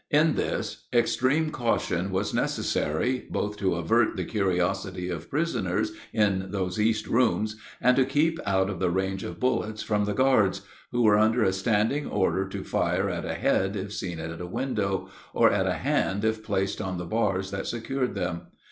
In this extreme caution was necessary, both to avert the curiosity of prisoners in those east rooms, and to keep out of the range of bullets from the guards, who were under a standing order to fire at a head if seen at a window, or at a hand if placed on the bars that secured them.